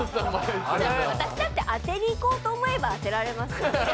私だって当てにいこうと思えば当てられますよ。